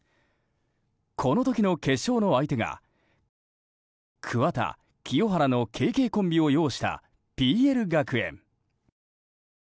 この時の決勝の相手が桑田・清原のＫＫコンビを擁したＰＬ学園。